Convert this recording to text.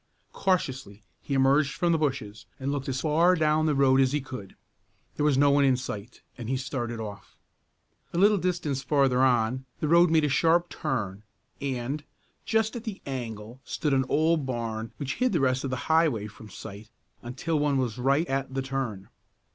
Cautiously he emerged from the bushes, and looked as far down the road as he could. There was no one in sight, and he started off. A little distance farther on, the road made a sharp turn and, just at the angle stood an old barn which hid the rest of the highway from sight until one was right at the turn.